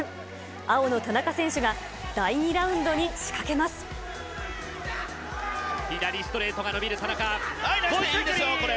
青の田中選手が、第２ラウンドに左ストレートが伸びる、ナイス、いいですよ、これ。